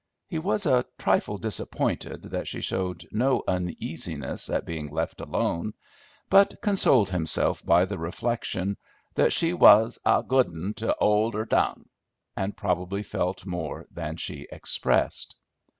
He was a trifle disappointed that she showed no uneasiness at being left alone, but consoled himself by the reflection that she was "a good un to 'old 'er tongue," and probably felt more than she expressed.